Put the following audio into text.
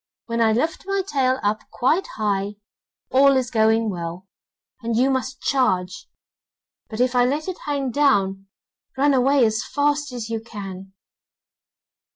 When I lift my tail up quite high, all is going well, and you must charge; but if I let it hang down, run away as fast as you can.